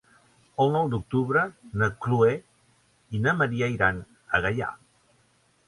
El nou d'octubre na Chloé i na Maria iran a Gaià.